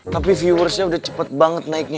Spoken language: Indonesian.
tapi viewersnya udah cepet banget naiknya